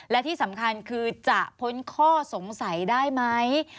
และที่สำคัญคือจะพ้นข้อสงสัยได้ไหม